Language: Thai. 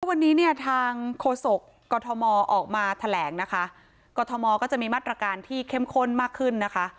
วันนี้เนี่ยทางโฆษกกรทมออกมาแถลงนะคะกรทมก็จะมีมาตรการที่เข้มข้นมากขึ้นนะคะ